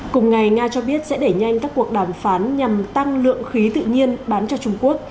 cùng ngày nga cho biết sẽ đẩy nhanh các cuộc đàm phán nhằm tăng lượng khí tự nhiên bán cho trung quốc